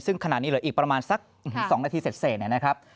ซึ่งขณะนี้เหลืออีกประมาณสัก๒นาทีเสร็จนะครับ